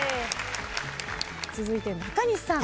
続いて中西さん。